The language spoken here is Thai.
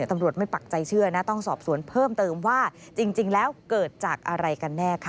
ตำรวจไม่ปักใจเชื่อนะต้องสอบสวนเพิ่มเติมว่าจริงแล้วเกิดจากอะไรกันแน่ค่ะ